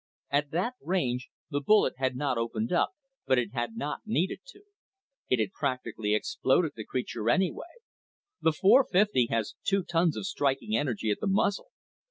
At that range, the bullet had not opened up, but it had not needed to. It had practically exploded the creature anyway the .450 has two tons of striking energy at the muzzle.